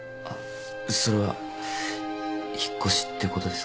あっそれは引っ越しってことですか？